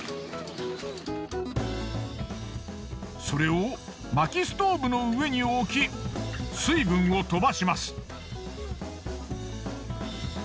それを薪ストーブの上に置き水分を飛ばします。